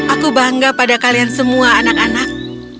aku bangga pada kalian semua anak anak